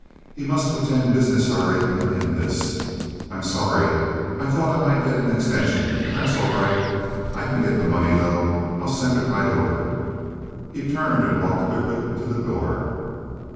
He must pretend business hurry and end this. "I'm sorry. I thought I might get an extension; but that's all right. I can get the money, though. I'll send it right over." He turned and walked quickly to the door.